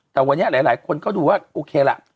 แต่วันนี้หลายคนก็ดูว่าโอเคล่ะ